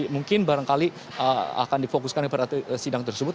mungkin barangkali akan difokuskan pada sidang tersebut